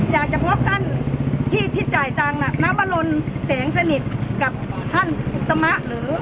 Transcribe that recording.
อยากจะพบท่านที่จ่ายตังค์นับลนแสงสนิทกับท่านอุตมะหรือ